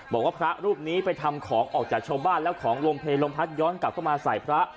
บอกว่าพระรูปนี้ไปทำของออกจากชาวบ้านแล้วของลมเพลลมพัดย้อนกลับเข้ามาใส่พระ